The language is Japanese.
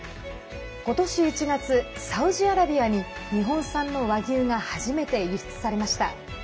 今年１月、サウジアラビアに日本産の和牛が初めて輸出されました。